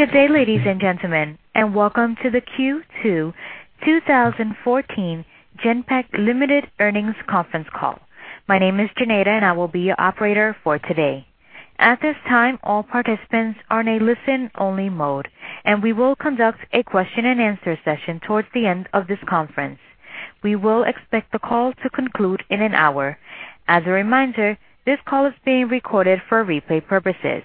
Good day, ladies and gentlemen, and welcome to the Q2 2014 Genpact Limited earnings conference call. My name is Janeda, I will be your operator for today. At this time, all participants are in a listen-only mode, we will conduct a question and answer session towards the end of this conference. We will expect the call to conclude in an hour. As a reminder, this call is being recorded for replay purposes.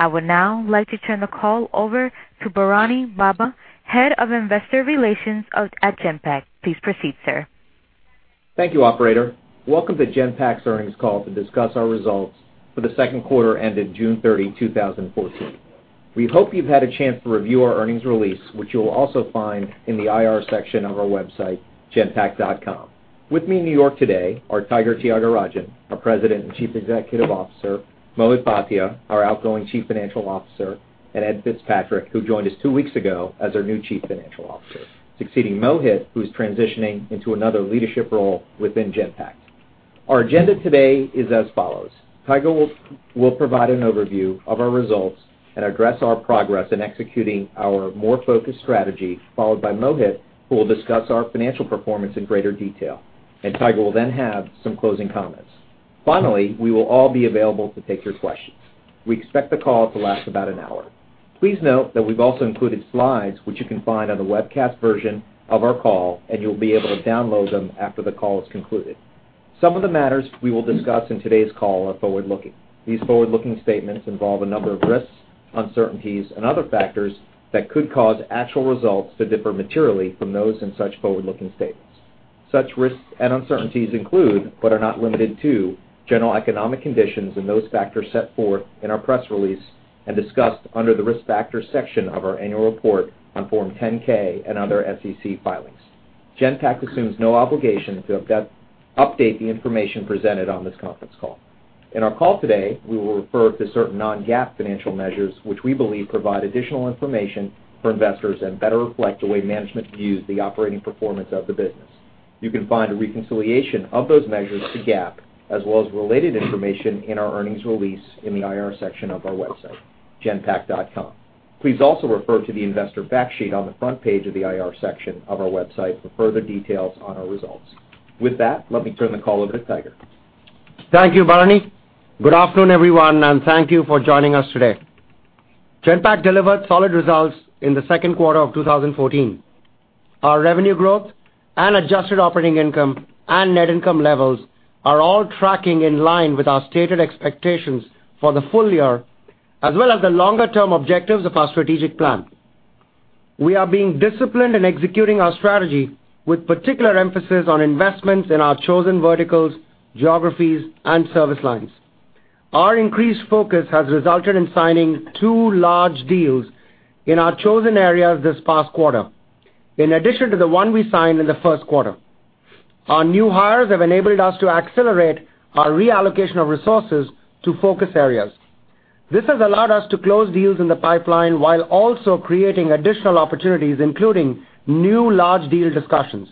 I would now like to turn the call over to Bharani Bobba, Head of Investor Relations at Genpact. Please proceed, sir. Thank you, operator. Welcome to Genpact's earnings call to discuss our results for the second quarter ended June 30, 2014. We hope you've had a chance to review our earnings release, which you'll also find in the IR section of our website, genpact.com. With me in New York today are Tiger Thyagarajan, our President and Chief Executive Officer, Mohit Bhatia, our outgoing Chief Financial Officer, Ed Fitzpatrick, who joined us two weeks ago as our new Chief Financial Officer, succeeding Mohit, who's transitioning into another leadership role within Genpact. Our agenda today is as follows. Tiger will provide an overview of our results and address our progress in executing our more focused strategy, followed by Mohit, who will discuss our financial performance in greater detail, Tiger will then have some closing comments. Finally, we will all be available to take your questions. We expect the call to last about an hour. Please note that we've also included slides, which you can find on the webcast version of our call, you'll be able to download them after the call is concluded. Some of the matters we will discuss in today's call are forward-looking. These forward-looking statements involve a number of risks, uncertainties, and other factors that could cause actual results to differ materially from those in such forward-looking statements. Such risks and uncertainties include, but are not limited to, general economic conditions and those factors set forth in our press release and discussed under the Risk Factors section of our annual report on Form 10-K and other SEC filings. Genpact assumes no obligation to update the information presented on this conference call. In our call today, we will refer to certain non-GAAP financial measures, which we believe provide additional information for investors and better reflect the way management views the operating performance of the business. You can find a reconciliation of those measures to GAAP, as well as related information in our earnings release in the IR section of our website, genpact.com. Please also refer to the investor fact sheet on the front page of the IR section of our website for further details on our results. With that, let me turn the call over to Tiger. Thank you, Bharani. Good afternoon, everyone, and thank you for joining us today. Genpact delivered solid results in the second quarter of 2014. Our revenue growth and adjusted operating income and net income levels are all tracking in line with our stated expectations for the full year, as well as the longer-term objectives of our strategic plan. We are being disciplined in executing our strategy, with particular emphasis on investments in our chosen verticals, geographies, and service lines. Our increased focus has resulted in signing 2 large deals in our chosen areas this past quarter. In addition to the 1 we signed in the first quarter. Our new hires have enabled us to accelerate our reallocation of resources to focus areas. This has allowed us to close deals in the pipeline while also creating additional opportunities, including new large deal discussions.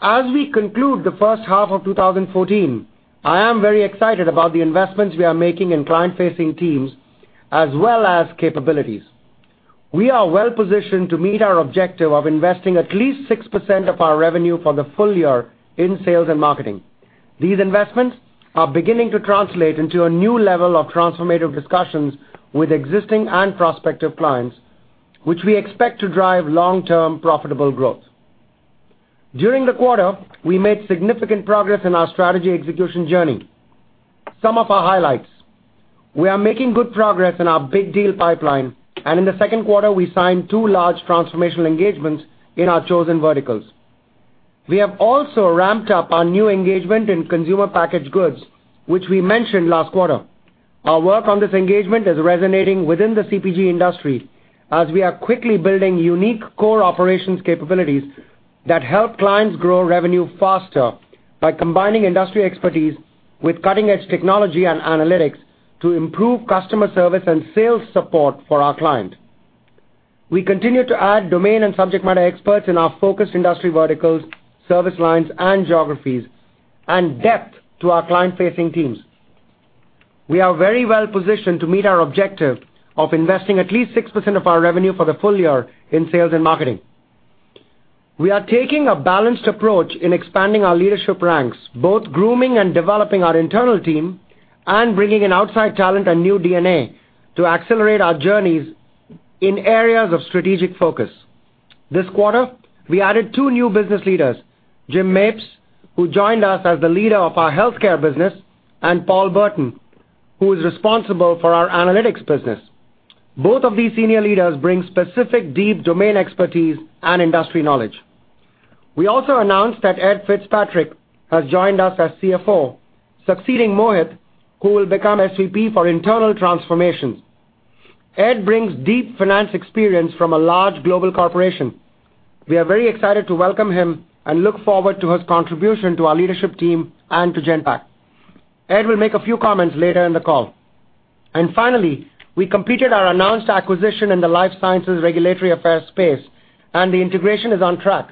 As we conclude the first half of 2014, I am very excited about the investments we are making in client-facing teams as well as capabilities. We are well-positioned to meet our objective of investing at least 6% of our revenue for the full year in sales and marketing. These investments are beginning to translate into a new level of transformative discussions with existing and prospective clients, which we expect to drive long-term profitable growth. During the quarter, we made significant progress in our strategy execution journey. Some of our highlights. We are making good progress in our big deal pipeline, and in the second quarter, we signed 2 large transformational engagements in our chosen verticals. We have also ramped up our new engagement in consumer packaged goods, which we mentioned last quarter. Our work on this engagement is resonating within the CPG industry, as we are quickly building unique core operations capabilities that help clients grow revenue faster by combining industry expertise with cutting-edge technology and analytics to improve customer service and sales support for our client. We continue to add domain and subject matter experts in our focused industry verticals, service lines, and geographies, and depth to our client-facing teams. We are very well positioned to meet our objective of investing at least 6% of our revenue for the full year in sales and marketing. We are taking a balanced approach in expanding our leadership ranks, both grooming and developing our internal team and bringing in outside talent and new DNA to accelerate our journeys in areas of strategic focus. This quarter, we added 2 new business leaders, Jim Mapes, who joined us as the leader of our healthcare business, and Paul Burton, who is responsible for our analytics business. Both of these senior leaders bring specific deep domain expertise and industry knowledge. We also announced that Ed Fitzpatrick has joined us as CFO, succeeding Mohit, who will become SVP for Internal Transformation. Ed brings deep finance experience from a large global corporation. We are very excited to welcome him and look forward to his contribution to our leadership team and to Genpact. Ed will make a few comments later in the call. Finally, we completed our announced acquisition in the life sciences regulatory affairs space, and the integration is on track.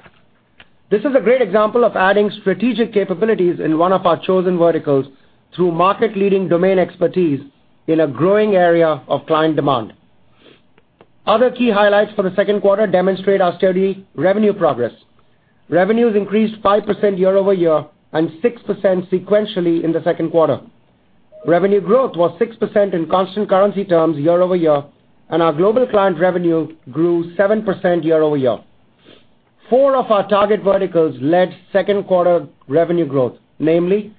This is a great example of adding strategic capabilities in one of our chosen verticals through market-leading domain expertise in a growing area of client demand. Other key highlights for the second quarter demonstrate our steady revenue progress. Revenues increased 5% year-over-year and 6% sequentially in the second quarter. Revenue growth was 6% in constant currency terms year-over-year, and our global client revenue grew 7% year-over-year. Four of our target verticals led second quarter revenue growth, namely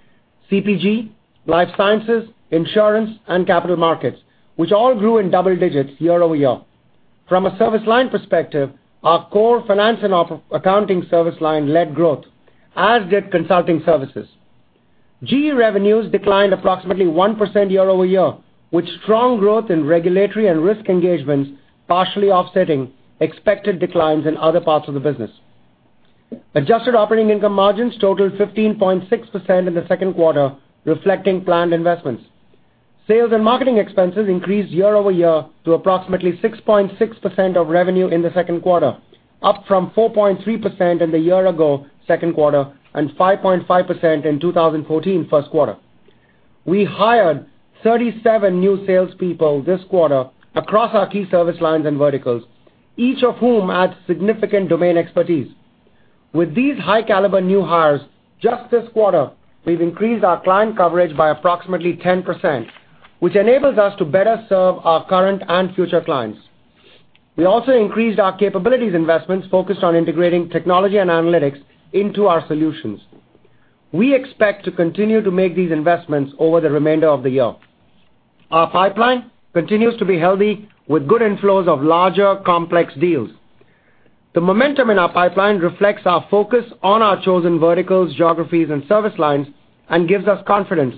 CPG, life sciences, insurance, and capital markets, which all grew in double digits year-over-year. From a service line perspective, our core finance and accounting service line-led growth, as did consulting services. GE revenues declined approximately 1% year-over-year, with strong growth in regulatory and risk engagements partially offsetting expected declines in other parts of the business. Adjusted operating income margins totaled 15.6% in the second quarter, reflecting planned investments. Sales and marketing expenses increased year-over-year to approximately 6.6% of revenue in the second quarter, up from 4.3% in the year ago second quarter and 5.5% in 2014 first quarter. We hired 37 new salespeople this quarter across our key service lines and verticals, each of whom adds significant domain expertise. With these high caliber new hires, just this quarter, we've increased our client coverage by approximately 10%, which enables us to better serve our current and future clients. We also increased our capabilities investments focused on integrating technology and analytics into our solutions. We expect to continue to make these investments over the remainder of the year. Our pipeline continues to be healthy with good inflows of larger, complex deals. The momentum in our pipeline reflects our focus on our chosen verticals, geographies, and service lines, and gives us confidence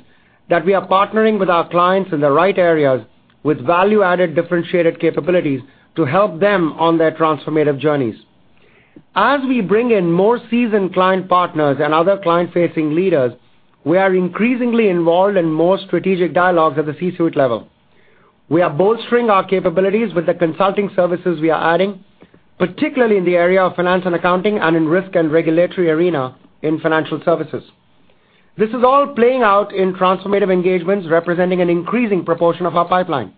that we are partnering with our clients in the right areas with value-added differentiated capabilities to help them on their transformative journeys. As we bring in more seasoned client partners and other client-facing leaders, we are increasingly involved in more strategic dialogues at the C-suite level. We are bolstering our capabilities with the consulting services we are adding, particularly in the area of finance and accounting and in risk and regulatory arena in financial services. This is all playing out in transformative engagements representing an increasing proportion of our pipeline.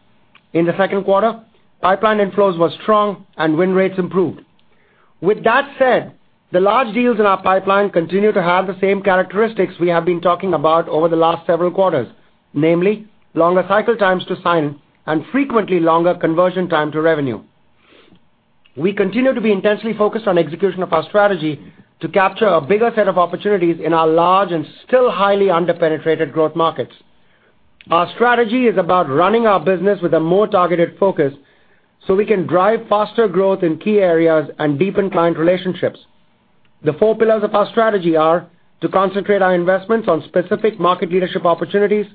In the second quarter, pipeline inflows were strong and win rates improved. With that said, the large deals in our pipeline continue to have the same characteristics we have been talking about over the last several quarters, namely longer cycle times to sign and frequently longer conversion time to revenue. We continue to be intensely focused on execution of our strategy to capture a bigger set of opportunities in our large and still highly under-penetrated growth markets. Our strategy is about running our business with a more targeted focus so we can drive faster growth in key areas and deepen client relationships. The four pillars of our strategy are: to concentrate our investments on specific market leadership opportunities.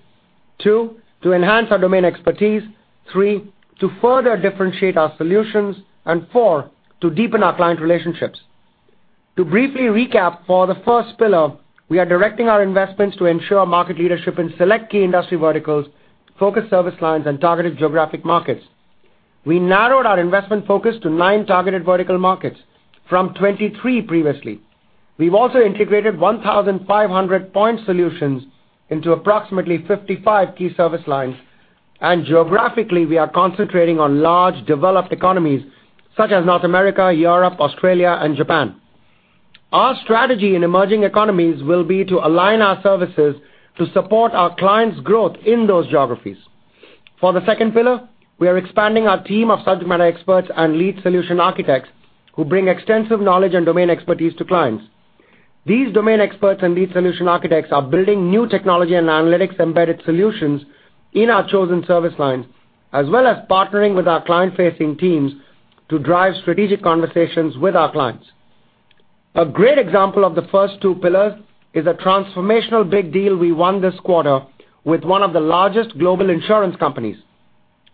Two, to enhance our domain expertise. Three, to further differentiate our solutions. Four, to deepen our client relationships. To briefly recap, for the first pillar, we are directing our investments to ensure market leadership in select key industry verticals, focused service lines, and targeted geographic markets. We narrowed our investment focus to nine targeted vertical markets from 23 previously. We've also integrated 1,500 point solutions into approximately 55 key service lines. Geographically, we are concentrating on large developed economies such as North America, Europe, Australia, and Japan. Our strategy in emerging economies will be to align our services to support our clients' growth in those geographies. For the second pillar, we are expanding our team of subject matter experts and lead solution architects who bring extensive knowledge and domain expertise to clients. These domain experts and lead solution architects are building new technology and analytics-embedded solutions in our chosen service lines, as well as partnering with our client-facing teams to drive strategic conversations with our clients. A great example of the first two pillars is a transformational big deal we won this quarter with one of the largest global insurance companies.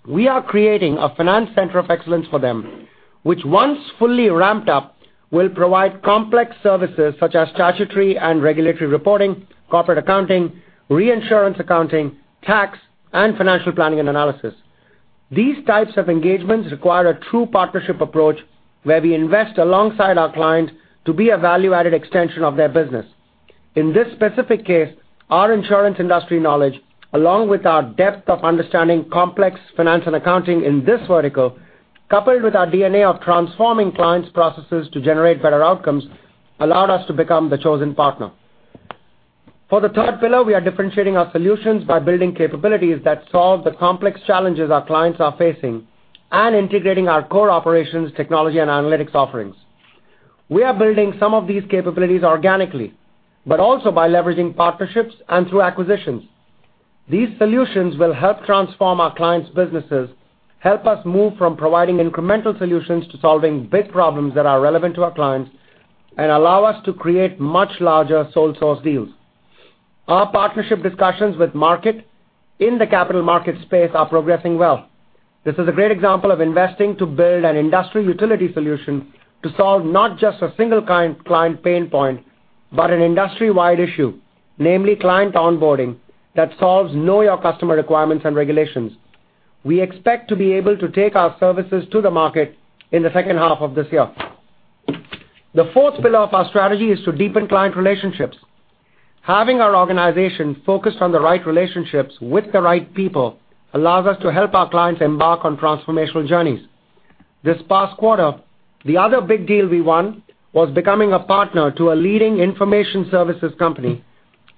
We are creating a finance center of excellence for them, which once fully ramped up, will provide complex services such as statutory and regulatory reporting, corporate accounting, reinsurance accounting, tax, and financial planning and analysis. These types of engagements require a true partnership approach where we invest alongside our client to be a value-added extension of their business. In this specific case, our insurance industry knowledge, along with our depth of understanding complex finance and accounting in this vertical, coupled with our DNA of transforming clients' processes to generate better outcomes, allowed us to become the chosen partner. For the third pillar, we are differentiating our solutions by building capabilities that solve the complex challenges our clients are facing and integrating our core operations, technology, and analytics offerings. We are building some of these capabilities organically, but also by leveraging partnerships and through acquisitions. These solutions will help transform our clients' businesses, help us move from providing incremental solutions to solving big problems that are relevant to our clients and allow us to create much larger sole source deals. Our partnership discussions with Markit in the capital market space are progressing well. This is a great example of investing to build an industry utility solution to solve not just a single client pain point, but an industry-wide issue, namely client onboarding that solves Know Your Customer requirements and regulations. We expect to be able to take our services to the market in the second half of this year. The fourth pillar of our strategy is to deepen client relationships. Having our organization focused on the right relationships with the right people allows us to help our clients embark on transformational journeys. This past quarter, the other big deal we won was becoming a partner to a leading information services company,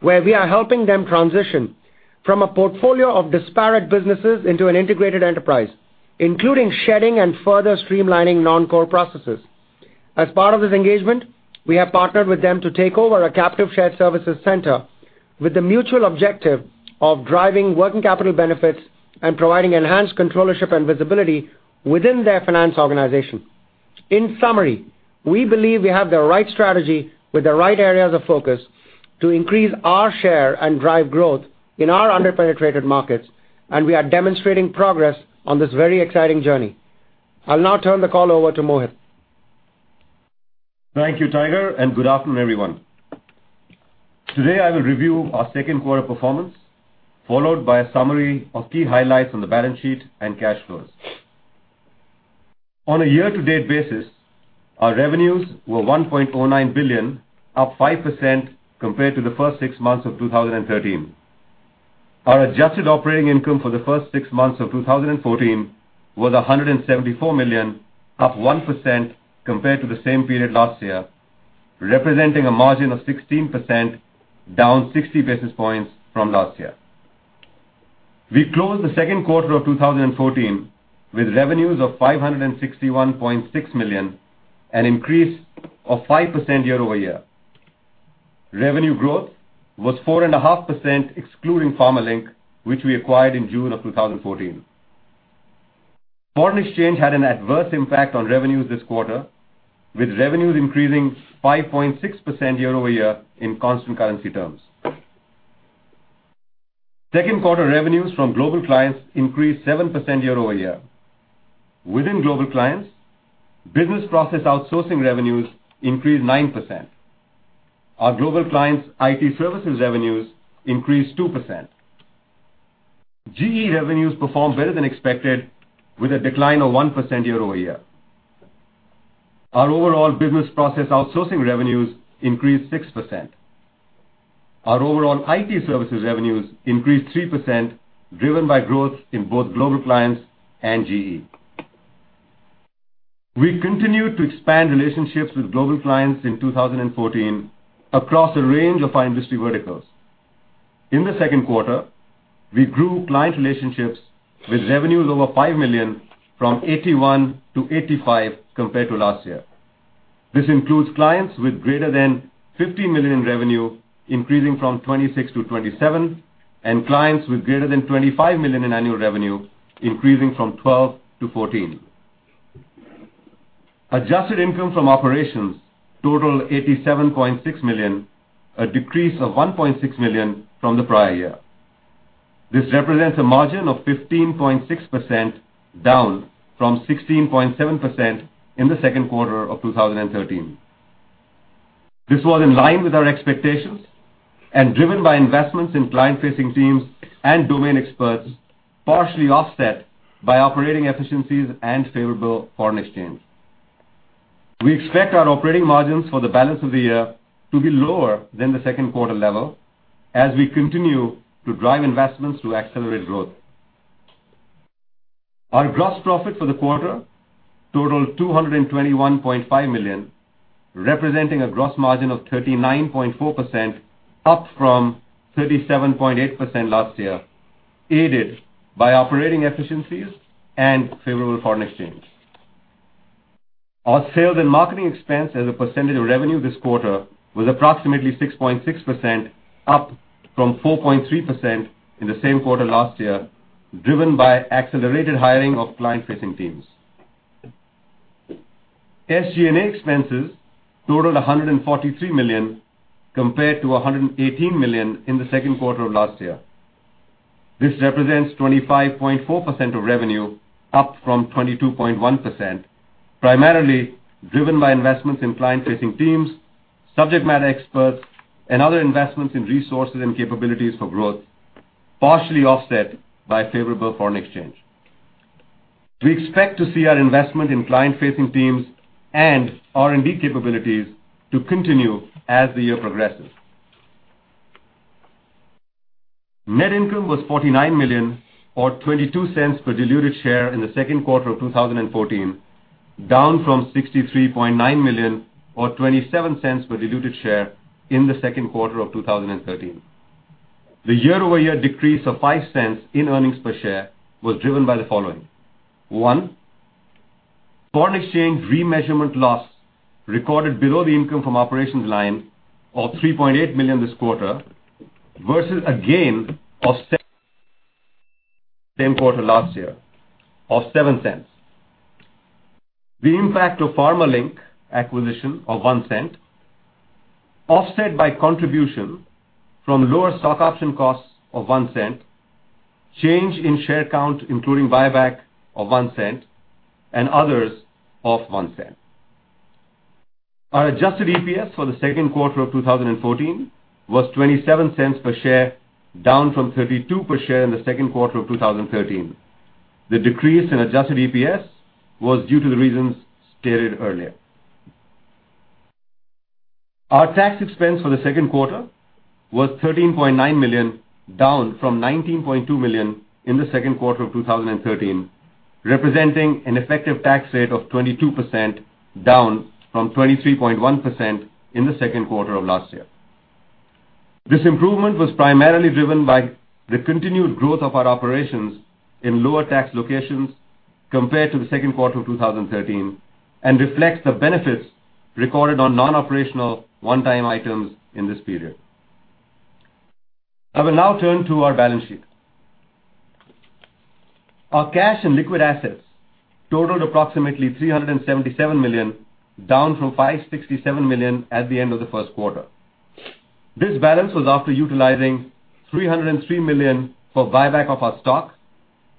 where we are helping them transition from a portfolio of disparate businesses into an integrated enterprise, including shedding and further streamlining non-core processes. As part of this engagement, we have partnered with them to take over a captive shared services center with the mutual objective of driving working capital benefits and providing enhanced controllership and visibility within their finance organization. In summary, we believe we have the right strategy with the right areas of focus to increase our share and drive growth in our under-penetrated markets, and we are demonstrating progress on this very exciting journey. I'll now turn the call over to Mohit. Thank you, Tiger, and good afternoon, everyone. Today, I will review our second quarter performance, followed by a summary of key highlights on the balance sheet and cash flows. On a year-to-date basis, our revenues were $1.09 billion, up 5% compared to the first six months of 2013. Our adjusted operating income for the first six months of 2014 was $174 million, up 1% compared to the same period last year, representing a margin of 16%, down 60 basis points from last year. We closed the second quarter of 2014 with revenues of $561.6 million, an increase of 5% year-over-year. Revenue growth was 4.5% excluding Pharmalink, which we acquired in June of 2014. Foreign exchange had an adverse impact on revenues this quarter, with revenues increasing 5.6% year-over-year in constant currency terms. Second quarter revenues from global clients increased 7% year-over-year. Within global clients, business process outsourcing revenues increased 9%. Our global clients' IT services revenues increased 2%. GE revenues performed better than expected with a decline of 1% year-over-year. Our overall business process outsourcing revenues increased 6%. Our overall IT services revenues increased 3%, driven by growth in both global clients and GE. We continued to expand relationships with global clients in 2014 across a range of industry verticals. In the second quarter, we grew client relationships with revenues over $5 million from 81 to 85 compared to last year. This includes clients with greater than $50 million in revenue increasing from 26 to 27, and clients with greater than $25 million in annual revenue increasing from 12 to 14. Adjusted income from operations totaled $87.6 million, a decrease of $1.6 million from the prior year. This represents a margin of 15.6%, down from 16.7% in the second quarter of 2013. This was in line with our expectations and driven by investments in client-facing teams and domain experts, partially offset by operating efficiencies and favorable foreign exchange. We expect our operating margins for the balance of the year to be lower than the second quarter level as we continue to drive investments to accelerate growth. Our gross profit for the quarter totaled $221.5 million, representing a gross margin of 39.4%, up from 37.8% last year, aided by operating efficiencies and favorable foreign exchange. Our sales and marketing expense as a percentage of revenue this quarter was approximately 6.6%, up from 4.3% in the same quarter last year, driven by accelerated hiring of client-facing teams. SG&A expenses totaled $143 million compared to $118 million in the second quarter of last year. This represents 25.4% of revenue, up from 22.1%, primarily driven by investments in client-facing teams, subject matter experts, and other investments in resources and capabilities for growth, partially offset by favorable foreign exchange. We expect to see our investment in client-facing teams and R&D capabilities to continue as the year progresses. Net income was $49 million or $0.22 per diluted share in the second quarter of 2014, down from $63.9 million or $0.27 per diluted share in the second quarter of 2013. The year-over-year decrease of $0.05 in earnings per share was driven by the following. One, foreign exchange remeasurement loss recorded below the income from operations line of $3.8 million this quarter versus a gain of same quarter last year of $0.07. The impact of Pharmalink acquisition of $0.01, offset by contribution from lower stock option costs of $0.01, change in share count, including buyback of $0.01, and others of $0.01. Our adjusted EPS for the second quarter of 2014 was $0.27 per share, down from $0.32 per share in the second quarter of 2013. The decrease in adjusted EPS was due to the reasons stated earlier. Our tax expense for the second quarter was $13.9 million, down from $19.2 million in the second quarter of 2013, representing an effective tax rate of 22%, down from 23.1% in the second quarter of last year. This improvement was primarily driven by the continued growth of our operations in lower tax locations compared to the second quarter of 2013 and reflects the benefits recorded on non-operational one-time items in this period. I will now turn to our balance sheet. Our cash and liquid assets totaled approximately $377 million, down from $567 million at the end of the first quarter. This balance was after utilizing $303 million for buyback of our stock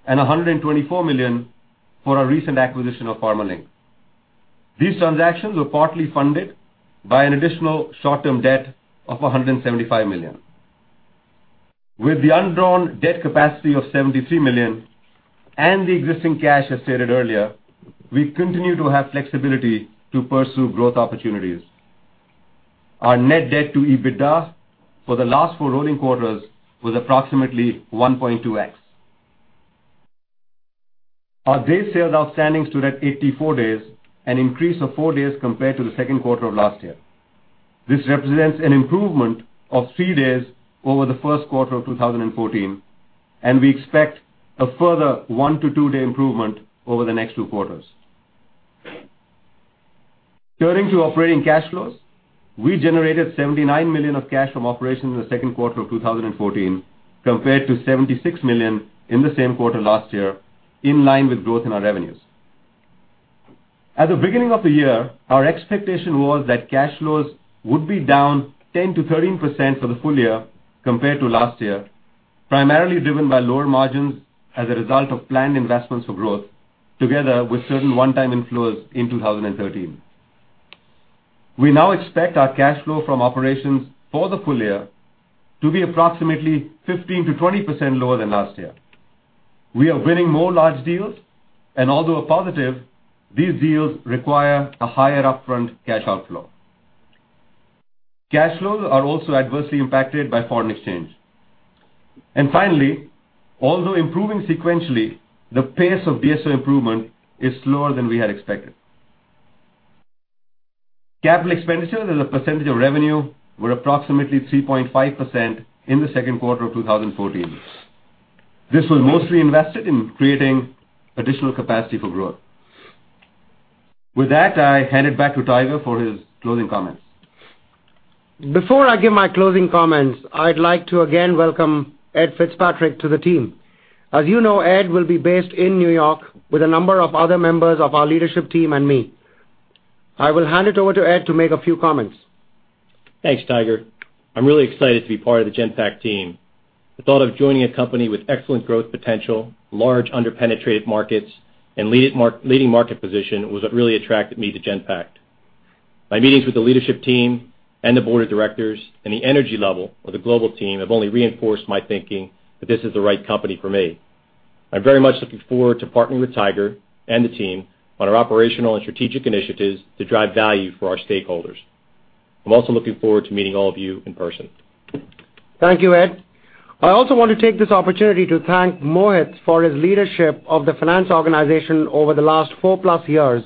and $124 million for our recent acquisition of Pharmalink. These transactions were partly funded by an additional short-term debt of $175 million. With the undrawn debt capacity of $73 million and the existing cash, as stated earlier, we continue to have flexibility to pursue growth opportunities. Our net debt to EBITDA for the last four rolling quarters was approximately 1.2x. Our days sales outstanding stood at 84 days, an increase of four days compared to the second quarter of last year. This represents an improvement of three days over the first quarter of 2014, and we expect a further one to two day improvement over the next two quarters. Turning to operating cash flows, we generated $79 million of cash from operations in the second quarter of 2014, compared to $76 million in the same quarter last year, in line with growth in our revenues. At the beginning of the year, our expectation was that cash flows would be down 10%-13% for the full year compared to last year, primarily driven by lower margins as a result of planned investments for growth, together with certain one-time inflows in 2013. We now expect our cash flow from operations for the full year to be approximately 15%-20% lower than last year. Cash flows are also adversely impacted by foreign exchange. Finally, although improving sequentially, the pace of DSO improvement is slower than we had expected. Capital expenditures as a percentage of revenue were approximately 3.5% in the second quarter of 2014. This was mostly invested in creating additional capacity for growth. With that, I hand it back to Tiger for his closing comments. Before I give my closing comments, I'd like to again welcome Ed Fitzpatrick to the team. As you know, Ed will be based in New York with a number of other members of our leadership team and me. I will hand it over to Ed to make a few comments. Thanks, Tiger. I'm really excited to be part of the Genpact team. The thought of joining a company with excellent growth potential, large under-penetrated markets, and leading market position was what really attracted me to Genpact. My meetings with the leadership team and the board of directors, and the energy level of the global team have only reinforced my thinking that this is the right company for me. I'm very much looking forward to partnering with Tiger and the team on our operational and strategic initiatives to drive value for our stakeholders. I'm also looking forward to meeting all of you in person. Thank you, Ed. I also want to take this opportunity to thank Mohit for his leadership of the finance organization over the last four-plus years,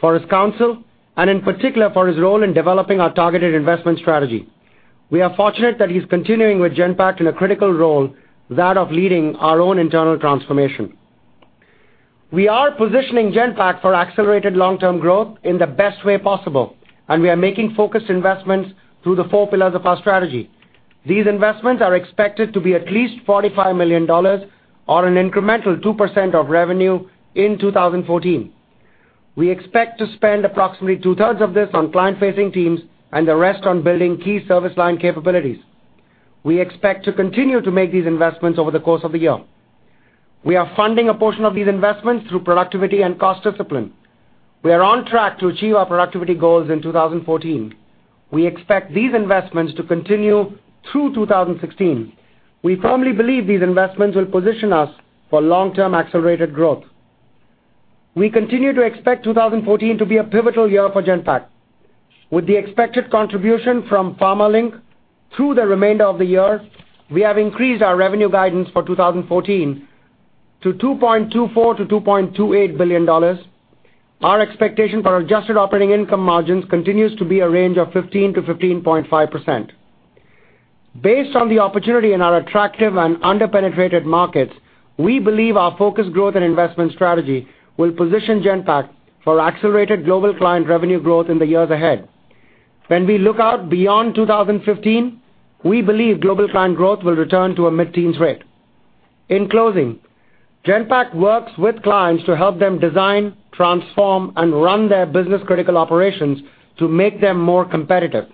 for his counsel, and in particular, for his role in developing our targeted investment strategy. We are fortunate that he's continuing with Genpact in a critical role, that of leading our own internal transformation. We are positioning Genpact for accelerated long-term growth in the best way possible. We are making focused investments through the four pillars of our strategy. These investments are expected to be at least $45 million or an incremental 2% of revenue in 2014. We expect to spend approximately two-thirds of this on client-facing teams and the rest on building key service line capabilities. We expect to continue to make these investments over the course of the year. We are funding a portion of these investments through productivity and cost discipline. We are on track to achieve our productivity goals in 2014. We expect these investments to continue through 2016. We firmly believe these investments will position us for long-term accelerated growth. We continue to expect 2014 to be a pivotal year for Genpact. With the expected contribution from Pharmalink through the remainder of the year, we have increased our revenue guidance for 2014 to $2.24 billion-$2.28 billion. Our expectation for adjusted operating income margins continues to be a range of 15%-15.5%. Based on the opportunity in our attractive and under-penetrated markets, we believe our focused growth and investment strategy will position Genpact for accelerated global client revenue growth in the years ahead. When we look out beyond 2015, we believe global client growth will return to a mid-teens rate. In closing, Genpact works with clients to help them design, transform, and run their business-critical operations to make them more competitive.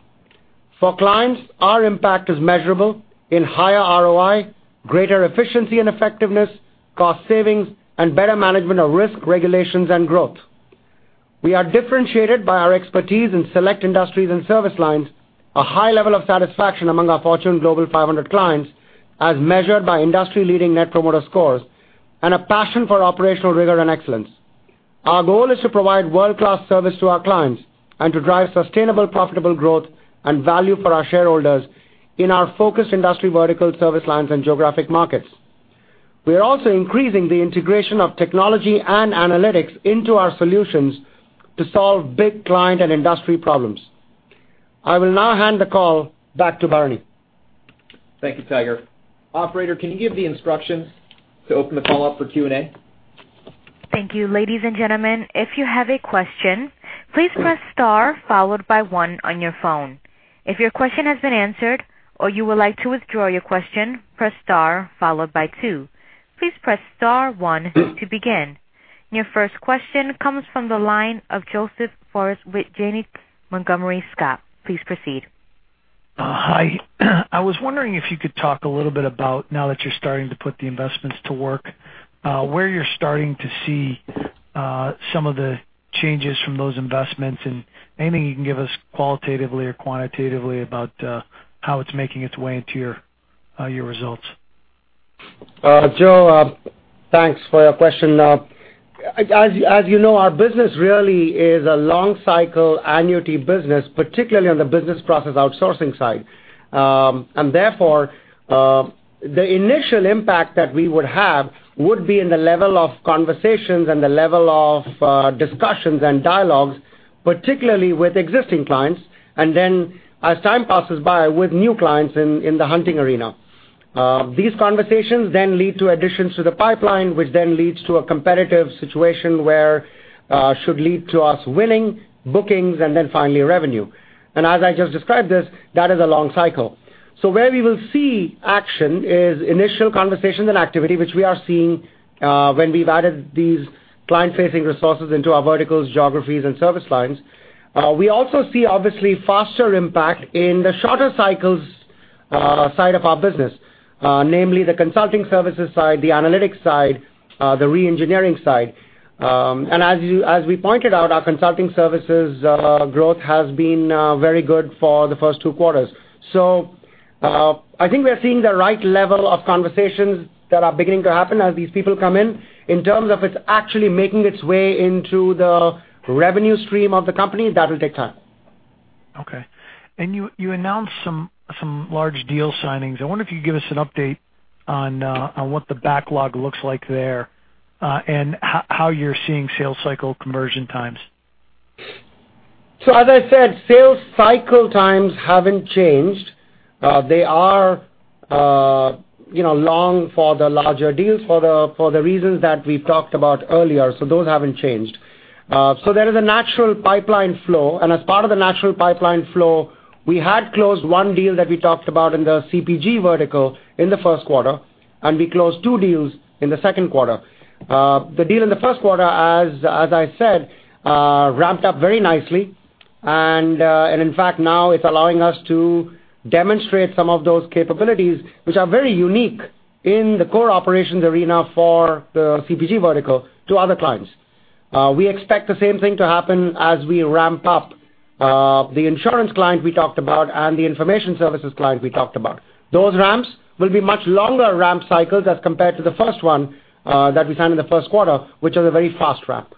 For clients, our impact is measurable in higher ROI, greater efficiency and effectiveness, cost savings, and better management of risk, regulations, and growth. We are differentiated by our expertise in select industries and service lines, a high level of satisfaction among our Fortune Global 500 clients, as measured by industry-leading Net Promoter Score, and a passion for operational rigor and excellence. Our goal is to provide world-class service to our clients and to drive sustainable, profitable growth and value for our shareholders in our focus industry vertical service lines and geographic markets. We are also increasing the integration of technology and analytics into our solutions to solve big client and industry problems. I will now hand the call back to Bharani. Thank you, Tiger. Operator, can you give the instructions to open the call up for Q&A? Thank you. Ladies and gentlemen, if you have a question, please press star followed by one on your phone. If your question has been answered or you would like to withdraw your question, press star followed by two. Please press star one to begin. Your first question comes from the line of Joseph Foresi with Janney Montgomery Scott. Please proceed. Hi. I was wondering if you could talk a little bit about, now that you're starting to put the investments to work, where you're starting to see some of the changes from those investments, and anything you can give us qualitatively or quantitatively about how it's making its way into your results. Joe, thanks for your question. As you know, our business really is a long cycle annuity business, particularly on the business process outsourcing side. Therefore, the initial impact that we would have, would be in the level of conversations and the level of discussions and dialogues, particularly with existing clients, and then as time passes by, with new clients in the hunting arena. These conversations lead to additions to the pipeline, which then leads to a competitive situation where should lead to us winning bookings and then finally revenue. As I just described this, that is a long cycle. Where we will see action is initial conversations and activity, which we are seeing when we've added these client-facing resources into our verticals, geographies, and service lines. We also see, obviously, faster impact in the shorter cycles side of our business, namely the consulting services side, the analytics side, the re-engineering side. As we pointed out, our consulting services growth has been very good for the first two quarters. I think we are seeing the right level of conversations that are beginning to happen as these people come in. In terms of it's actually making its way into the revenue stream of the company, that will take time. Okay. You announced some large deal signings. I wonder if you could give us an update on what the backlog looks like there, and how you're seeing sales cycle conversion times. As I said, sales cycle times haven't changed. They are long for the larger deals for the reasons that we've talked about earlier. Those haven't changed. There is a natural pipeline flow, and as part of the natural pipeline flow, we had closed one deal that we talked about in the CPG vertical in the first quarter, and we closed two deals in the second quarter. The deal in the first quarter, as I said, ramped up very nicely. In fact, now it's allowing us to demonstrate some of those capabilities, which are very unique in the core operations arena for the CPG vertical to other clients. We expect the same thing to happen as we ramp up the insurance client we talked about and the information services client we talked about. Those ramps will be much longer ramp cycles as compared to the first one that we signed in the first quarter, which is a very fast ramp.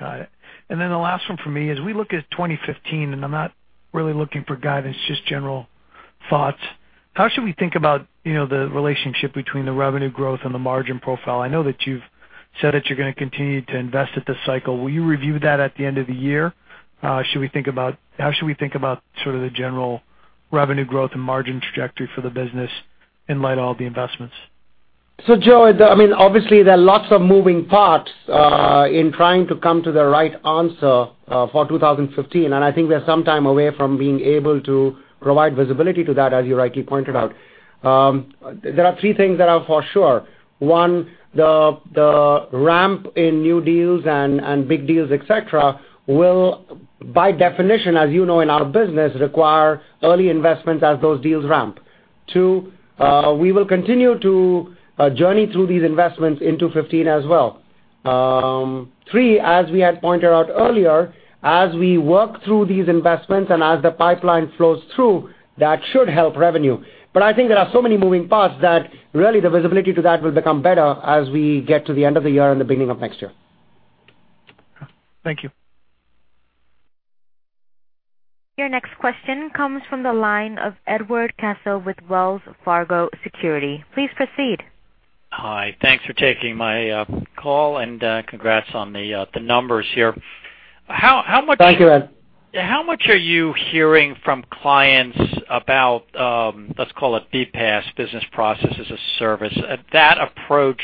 Got it. The last one for me is, we look at 2015. I'm not really looking for guidance, just general thoughts. How should we think about the relationship between the revenue growth and the margin profile? I know that you've said that you're going to continue to invest at this cycle. Will you review that at the end of the year? How should we think about sort of the general revenue growth and margin trajectory for the business in light of all the investments? Joe, obviously there are lots of moving parts in trying to come to the right answer for 2015. I think we are some time away from being able to provide visibility to that, as you rightly pointed out. There are three things that are for sure. One, the ramp in new deals and big deals, et cetera, will, by definition, as you know in our business, require early investments as those deals ramp. Two, we will continue to journey through these investments into 2015 as well. Three, as we had pointed out earlier, as we work through these investments and as the pipeline flows through, that should help revenue. I think there are so many moving parts that really the visibility to that will become better as we get to the end of the year and the beginning of next year. Thank you. Your next question comes from the line of Edward Caso with Wells Fargo Securities. Please proceed. Hi. Thanks for taking my call. Congrats on the numbers here. Thank you, Ed. How much are you hearing from clients about, let's call it BPaaS, business process as a service, that approach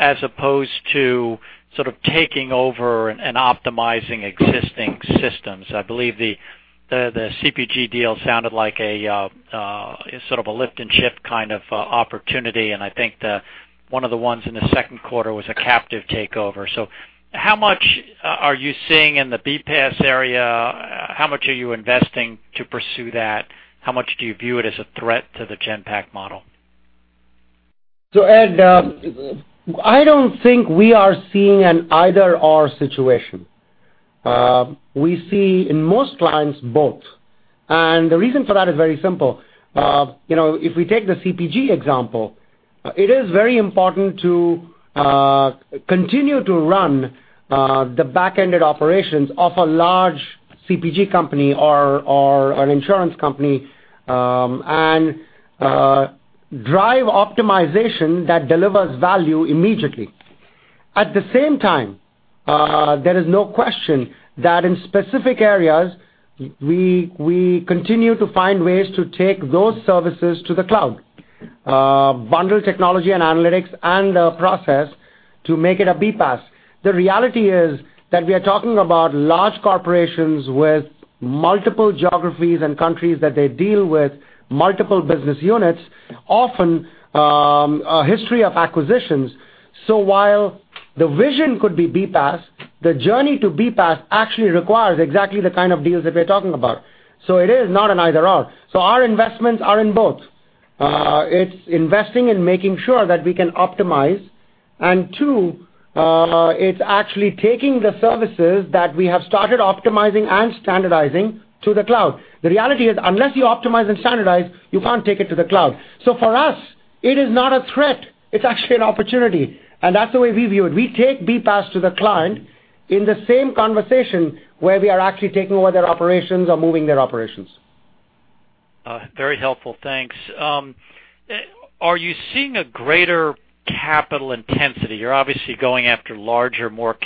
as opposed to sort of taking over and optimizing existing systems? I believe the CPG deal sounded like a sort of a lift and shift kind of opportunity. I think one of the ones in the second quarter was a captive takeover. How much are you seeing in the BPaaS area? How much are you investing to pursue that? How much do you view it as a threat to the Genpact model? Ed, I don't think we are seeing an either/or situation. We see in most clients both. The reason for that is very simple. If we take the CPG example, it is very important to continue to run the back-ended operations of a large CPG company or an insurance company, drive optimization that delivers value immediately. At the same time, there is no question that in specific areas, we continue to find ways to take those services to the cloud, bundle technology and analytics and the process to make it a BPaaS. The reality is that we are talking about large corporations with multiple geographies and countries that they deal with, multiple business units, often a history of acquisitions. While the vision could be BPaaS, the journey to BPaaS actually requires exactly the kind of deals that we're talking about. It is not an either/or. Our investments are in both. It's investing in making sure that we can optimize. Two, it's actually taking the services that we have started optimizing and standardizing to the cloud. The reality is, unless you optimize and standardize, you can't take it to the cloud. For us, it is not a threat, it's actually an opportunity. That's the way we view it. We take BPaaS to the client in the same conversation where we are actually taking over their operations or moving their operations. Very helpful. Thanks. Are you seeing a greater capital intensity? You're obviously going after larger, more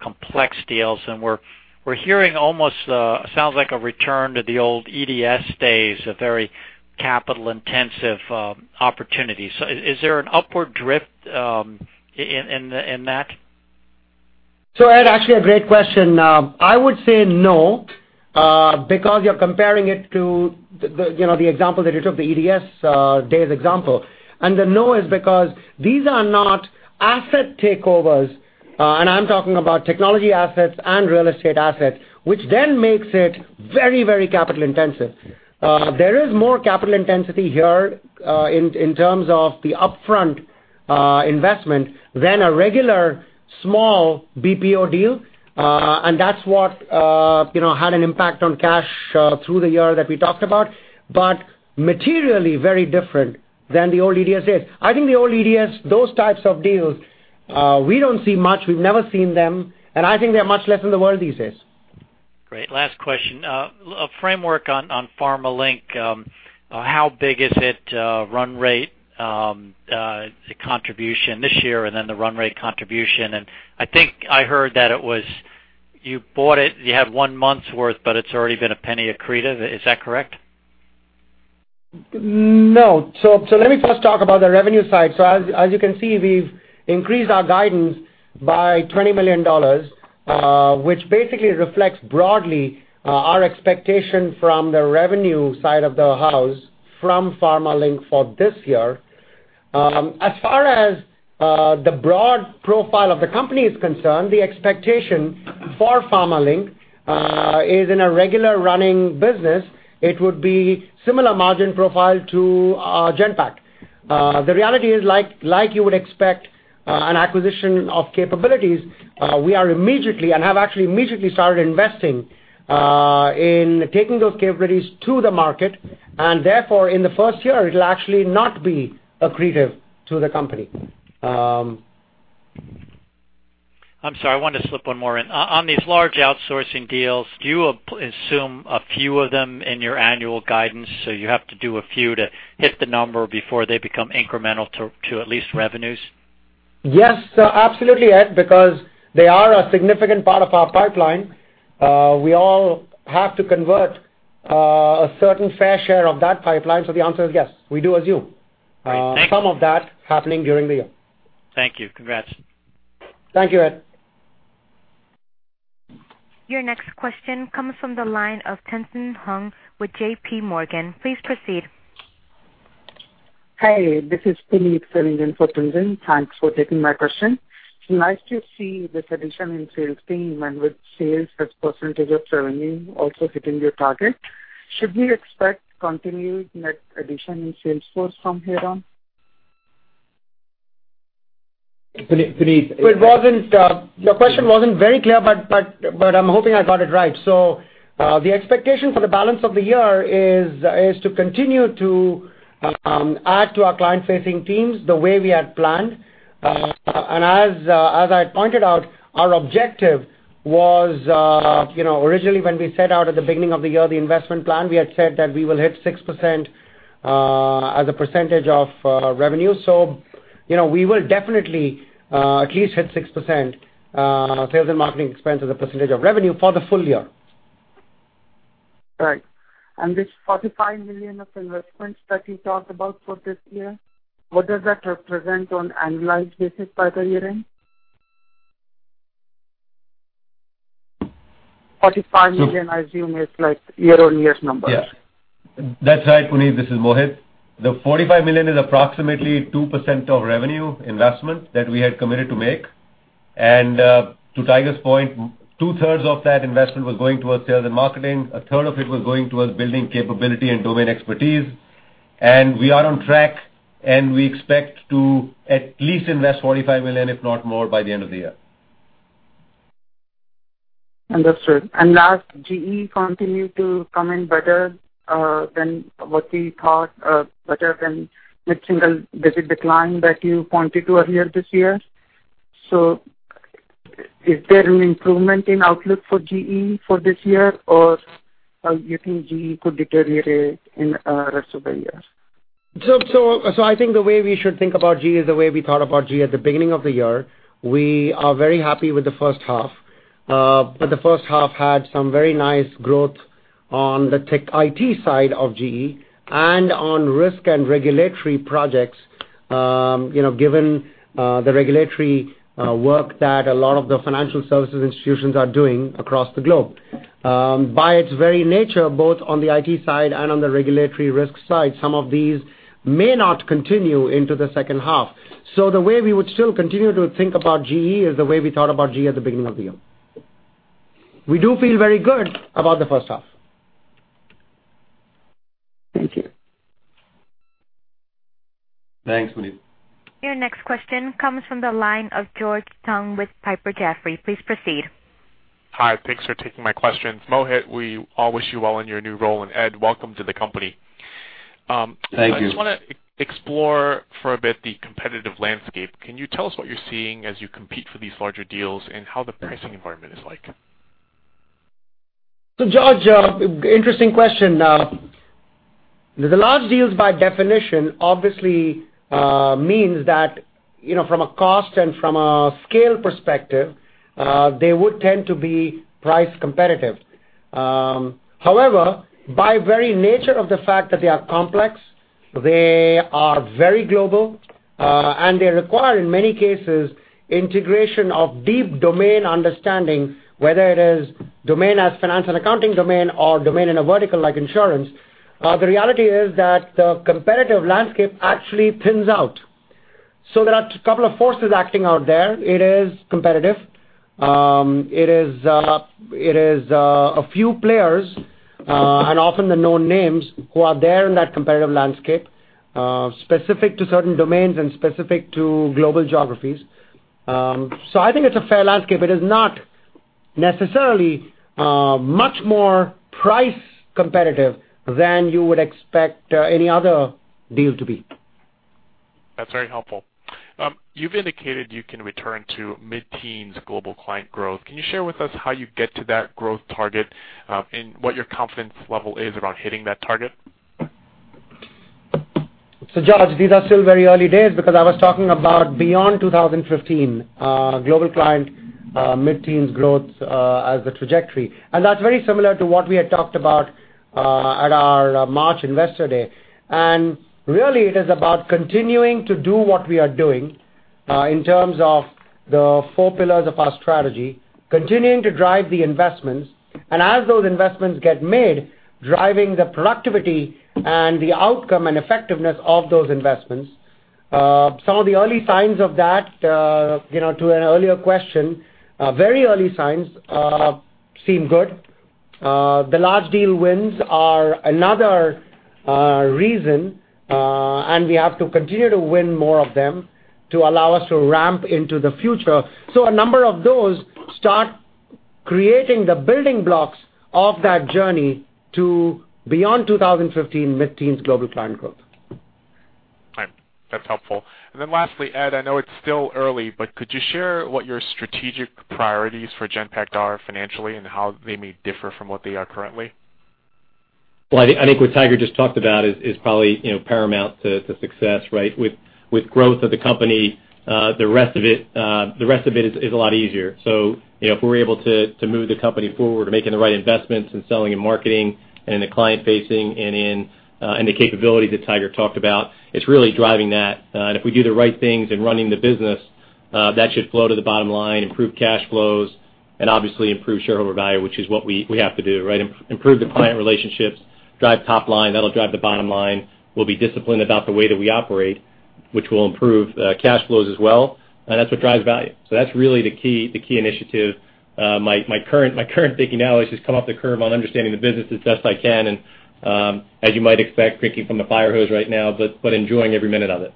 complex deals. We're hearing almost, sounds like a return to the old EDS days, a very capital-intensive opportunity. Is there an upward drift in that? Ed, actually a great question. I would say no, because you're comparing it to the example that you took, the EDS days example. The no is because these are not asset takeovers. I'm talking about technology assets and real estate assets, which then makes it very capital intensive. There is more capital intensity here, in terms of the upfront investment than a regular small BPO deal. That's what had an impact on cash through the year that we talked about, but materially very different than the old EDS days. I think the old EDS, those types of deals, we don't see much. We've never seen them. I think they're much less in the world these days. Great. Last question. A framework on PharmaLink. How big is it, run rate, the contribution this year and then the run rate contribution, and I think I heard that you bought it, you had one month's worth, but it's already been $0.01 accretive. Is that correct? No. Let me first talk about the revenue side. As you can see, we've increased our guidance by $20 million, which basically reflects broadly, our expectation from the revenue side of the house from PharmaLink for this year. As far as the broad profile of the company is concerned, the expectation for PharmaLink is in a regular running business, it would be similar margin profile to Genpact. The reality is like you would expect an acquisition of capabilities, we are immediately and have actually immediately started investing in taking those capabilities to the market and therefore in the first year it'll actually not be accretive to the company. I'm sorry, I wanted to slip one more in. On these large outsourcing deals, do you assume a few of them in your annual guidance, so you have to do a few to hit the number before they become incremental to at least revenues? Yes. Absolutely, Ed, because they are a significant part of our pipeline. We all have to convert a certain fair share of that pipeline. The answer is yes. Great. Thank you. Some of that happening during the year. Thank you. Congrats. Thank you, Ed. Your next question comes from the line of Tien-Tsin Huang with JPMorgan. Please proceed. Hi, this is Puneet filling in for Tien-Tsin. Thanks for taking my question. It is nice to see this addition in sales team and with sales as % of revenue also hitting your target. Should we expect continued net addition in sales force from here on? Puneet- Your question wasn't very clear, but I am hoping I got it right. The expectation for the balance of the year is to continue to add to our client-facing teams the way we had planned. As I had pointed out, our objective was, originally when we set out at the beginning of the year, the investment plan, we had said that we will hit 6% as a % of revenue. We will definitely at least hit 6% sales and marketing expense as a % of revenue for the full year. Right. This $45 million of investments that you talked about for this year, what does that represent on annualized basis by the year-end? $45 million, I assume it is like year-over-year numbers. Yeah. That's right, Puneet, this is Mohit. The $45 million is approximately 2% of revenue investment that we had committed to make. To Tiger's point, two-thirds of that investment was going towards sales and marketing. A third of it was going towards building capability and domain expertise. We are on track, and we expect to at least invest $45 million, if not more, by the end of the year. Understood. Last, GE continued to come in better than what we thought, better than the single-digit decline that you pointed to a year this year. Is there an improvement in outlook for GE for this year, or how you think GE could deteriorate in the rest of the year? I think the way we should think about GE is the way we thought about GE at the beginning of the year. We are very happy with the first half. The first half had some very nice growth on the tech IT side of GE and on risk and regulatory projects, given the regulatory work that a lot of the financial services institutions are doing across the globe. By its very nature, both on the IT side and on the regulatory risk side, some of these may not continue into the second half. The way we would still continue to think about GE is the way we thought about GE at the beginning of the year. We do feel very good about the first half. Thank you. Thanks, Puneet. Your next question comes from the line of George Tong with Piper Jaffray. Please proceed. Hi. Thanks for taking my questions. Mohit, we all wish you well in your new role, and Ed, welcome to the company. Thank you. I just want to explore for a bit the competitive landscape. Can you tell us what you're seeing as you compete for these larger deals and how the pricing environment is like? George, interesting question. The large deals, by definition, obviously means that from a cost and from a scale perspective, they would tend to be price competitive. However, by very nature of the fact that they are complex, they are very global, and they require, in many cases, integration of deep domain understanding, whether it is domain as finance and accounting domain or domain in a vertical like insurance, the reality is that the competitive landscape actually thins out. There are a couple of forces acting out there. It is competitive. It is a few players, and often the known names who are there in that competitive landscape, specific to certain domains and specific to global geographies. I think it's a fair landscape. It is not necessarily much more price competitive than you would expect any other deal to be. That's very helpful. You've indicated you can return to mid-teens global client growth. Can you share with us how you get to that growth target and what your confidence level is around hitting that target? George, these are still very early days because I was talking about beyond 2015, global client mid-teens growth as the trajectory, and that's very similar to what we had talked about at our March investor day. Really it is about continuing to do what we are doing in terms of the four pillars of our strategy, continuing to drive the investments, and as those investments get made, driving the productivity and the outcome and effectiveness of those investments. Some of the early signs of that, to an earlier question, very early signs seem good. The large deal wins are another reason, and we have to continue to win more of them to allow us to ramp into the future. A number of those start creating the building blocks of that journey to beyond 2015 mid-teens global client growth. All right. That's helpful. Lastly, Ed, I know it's still early, but could you share what your strategic priorities for Genpact are financially and how they may differ from what they are currently? Well, I think what Tiger just talked about is probably paramount to success, right? With growth of the company, the rest of it is a lot easier. If we're able to move the company forward to making the right investments in selling and marketing and in the client-facing and in the capability that Tiger talked about, it's really driving that. If we do the right things in running the business, that should flow to the bottom line, improve cash flows, and obviously improve shareholder value, which is what we have to do, right? Improve the client relationships, drive top line, that'll drive the bottom line. We'll be disciplined about the way that we operate, which will improve cash flows as well. That's what drives value. That's really the key initiative. My current thinking now is just come up the curve on understanding the business as best I can, and, as you might expect, drinking from the fire hose right now, but enjoying every minute of it.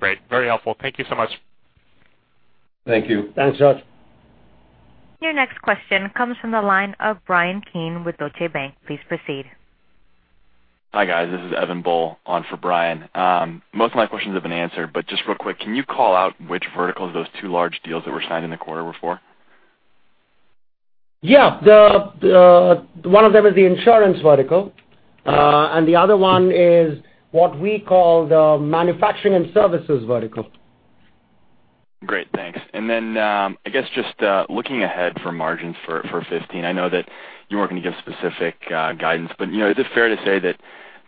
Great. Very helpful. Thank you so much. Thank you. Thanks, George. Your next question comes from the line of Bryan Keane with Deutsche Bank. Please proceed. Hi, guys. This is Evan Bull on for Bryan. Most of my questions have been answered, but just real quick, can you call out which verticals those two large deals that were signed in the quarter were for? Yeah. One of them is the insurance vertical, and the other one is what we call the manufacturing and services vertical. Great. Thanks. Then, I guess just looking ahead for margins for 2015, I know that you weren't going to give specific guidance, but is it fair to say that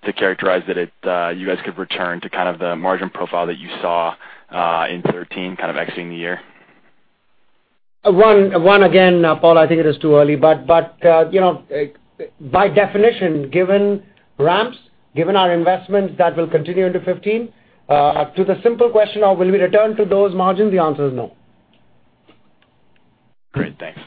to characterize that you guys could return to kind of the margin profile that you saw in 2013, kind of exiting the year? Once again, Paul, I think it is too early, by definition, given ramps, given our investments, that will continue into 2015. To the simple question of will we return to those margins, the answer is no. Great. Thanks.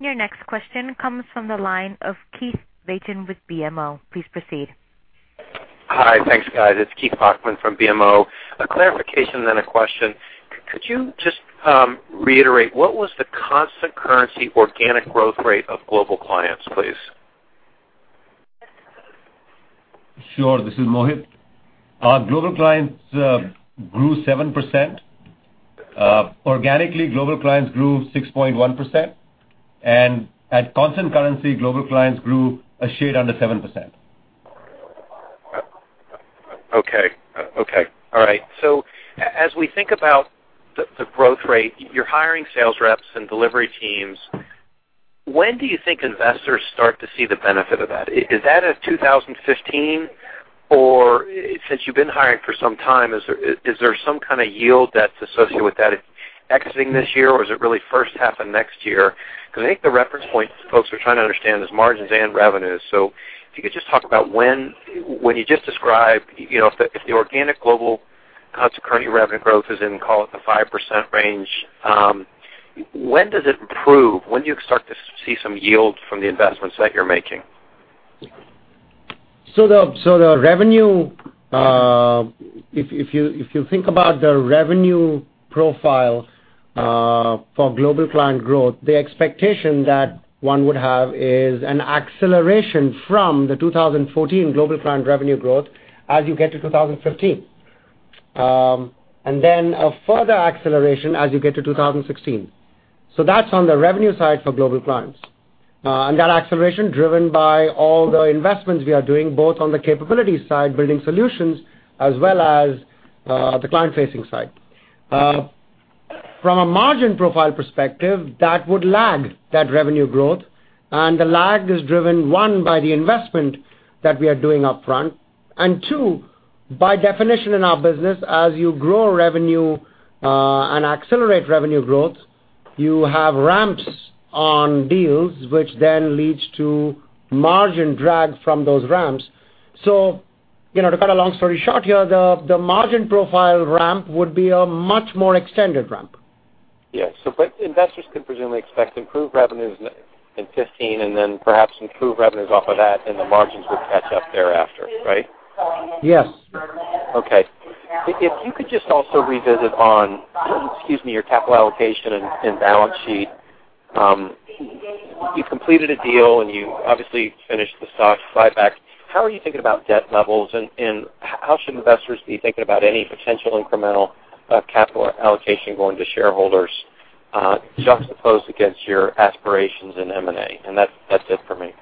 Your next question comes from the line of Keith Bachman with BMO. Please proceed. Hi. Thanks, guys. It's Keith Bachman from BMO. A clarification, then a question. Could you just reiterate what was the constant currency organic growth rate of global clients, please? Sure. This is Mohit. Global clients grew 7%. Organically, global clients grew 6.1%, and at constant currency, global clients grew a shade under 7%. Okay. All right. As we think about the growth rate, you're hiring sales reps and delivery teams. When do you think investors start to see the benefit of that? Is that a 2015, or since you've been hiring for some time, is there some kind of yield that's associated with that exiting this year, or is it really first half of next year? Because I think the reference point folks are trying to understand is margins and revenues. If you could just talk about when you just described, if the organic global constant currency revenue growth is in, call it, the 5% range, when does it improve? When do you start to see some yield from the investments that you're making? The revenue, if you think about the revenue profile for global client growth, the expectation that one would have is an acceleration from the 2014 global client revenue growth as you get to 2015. Then a further acceleration as you get to 2016. That's on the revenue side for global clients. That acceleration driven by all the investments we are doing, both on the capability side, building solutions, as well as the client-facing side. From a margin profile perspective, that would lag that revenue growth, and the lag is driven, one, by the investment that we are doing upfront, and two, by definition in our business, as you grow revenue, and accelerate revenue growth, you have ramps on deals, which then leads to margin drag from those ramps. To cut a long story short here, the margin profile ramp would be a much more extended ramp. Yes. Investors can presumably expect improved revenues in 2015 and then perhaps improved revenues off of that, and the margins would catch up thereafter, right? Yes. Okay. If you could just also revisit on, excuse me, your capital allocation and balance sheet. You completed a deal, and you obviously finished the stock buyback. How are you thinking about debt levels, and how should investors be thinking about any potential incremental capital allocation going to shareholders juxtaposed against your aspirations in M&A? That's it for me.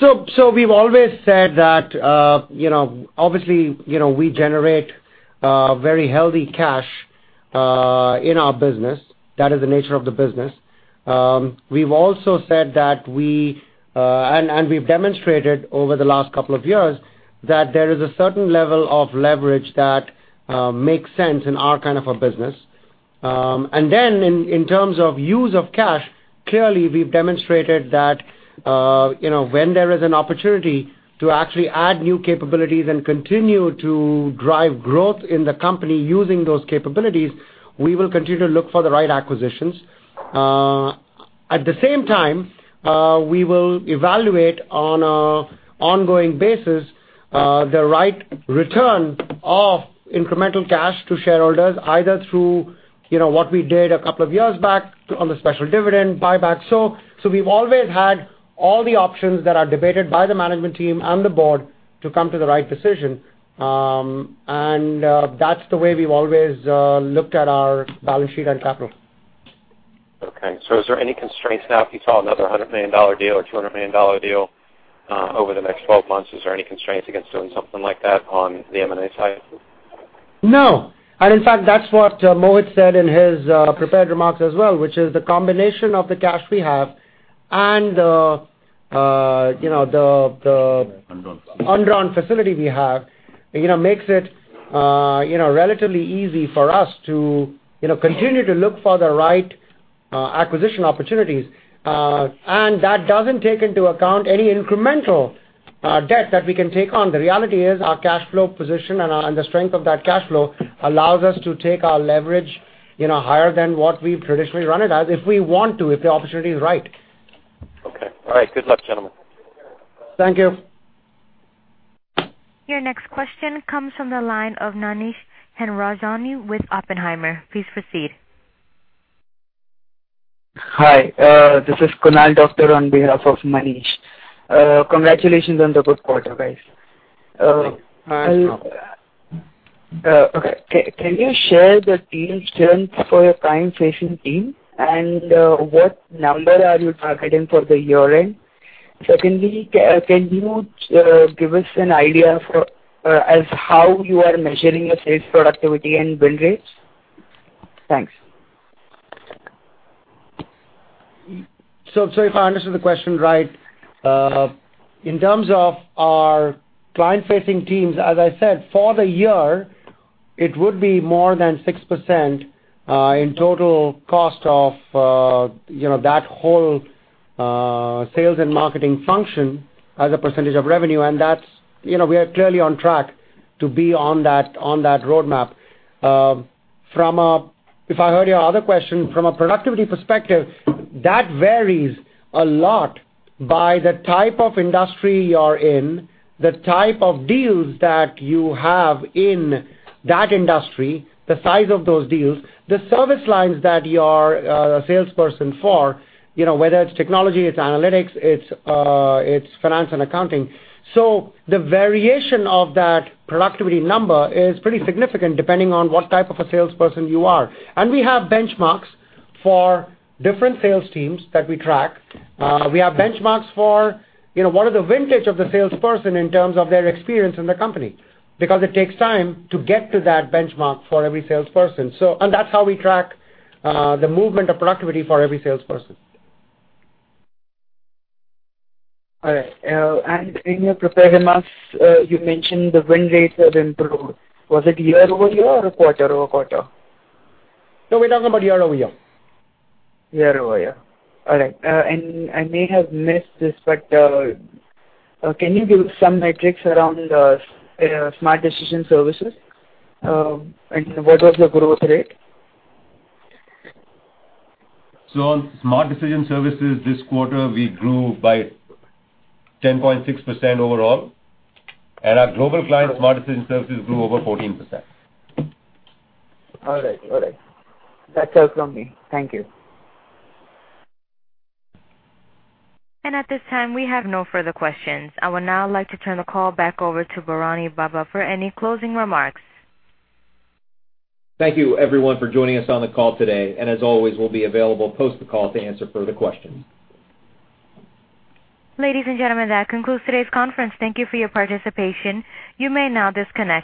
We've always said that obviously, we generate very healthy cash in our business. That is the nature of the business. We've also said that we've demonstrated over the last couple of years that there is a certain level of leverage that makes sense in our kind of a business. In terms of use of cash, clearly, we've demonstrated that when there is an opportunity to actually add new capabilities and continue to drive growth in the company using those capabilities, we will continue to look for the right acquisitions. At the same time, we will evaluate on an ongoing basis, the right return of incremental cash to shareholders, either through what we did a couple of years back on the special dividend buyback. We've always had all the options that are debated by the management team and the board to come to the right decision, and that's the way we've always looked at our balance sheet and capital. Okay. Is there any constraints now if you saw another $100 million deal or $200 million deal over the next 12 months? Is there any constraints against doing something like that on the M&A side? No. In fact, that's what Mohit said in his prepared remarks as well, which is the combination of the cash we have and the undrawn facility we have, makes it relatively easy for us to continue to look for the right acquisition opportunities. That doesn't take into account any incremental debt that we can take on. The reality is our cash flow position and the strength of that cash flow allows us to take our leverage higher than what we've traditionally run it as if we want to, if the opportunity is right. Okay. All right. Good luck, gentlemen. Thank you. Your next question comes from the line of Manish Hemrajani with Oppenheimer. Please proceed. Hi. This is Kunal Doctor on behalf of Manish. Congratulations on the good quarter, guys. Thanks. Okay. Can you share the team's strengths for your client-facing team, what number are you targeting for the year-end? Can you give us an idea as how you are measuring your sales productivity and win rates? Thanks. If I understood the question right, in terms of our client-facing teams, as I said, for the year, it would be more than 6% in total cost of that whole sales and marketing function as a percentage of revenue. We are clearly on track to be on that roadmap. If I heard your other question, from a productivity perspective, that varies a lot by the type of industry you're in, the type of deals that you have in that industry, the size of those deals, the service lines that you are a salesperson for, whether it's technology, it's analytics, it's finance and accounting. The variation of that productivity number is pretty significant depending on what type of a salesperson you are. We have benchmarks for different sales teams that we track. We have benchmarks for what are the vintage of the salesperson in terms of their experience in the company, because it takes time to get to that benchmark for every salesperson. That's how we track the movement of productivity for every salesperson. All right. In your prepared remarks, you mentioned the win rates have improved. Was it year-over-year or quarter-over-quarter? No, we're talking about year-over-year. Year-over-year. All right. I may have missed this, but can you give some metrics around Smart Decision Services? What was the growth rate? On Smart Decision Services this quarter, we grew by 10.6% overall, and our global client Smart Decision Services grew over 14%. All right. That's all from me. Thank you. At this time, we have no further questions. I would now like to turn the call back over to Bharani Bobba for any closing remarks. Thank you everyone for joining us on the call today. As always, we'll be available post the call to answer further questions. Ladies and gentlemen, that concludes today's conference. Thank you for your participation. You may now disconnect.